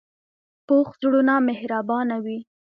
پوخ زړونه مهربانه وي